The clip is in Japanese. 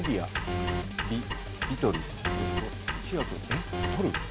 えっ？トル？